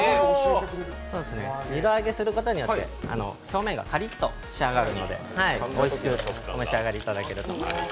二度揚げすることによって表面がカリッと仕上がるのでおいしくお召し上がりいただけると思います。